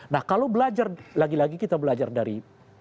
nah kalau belajar lagi lagi kita belajar dari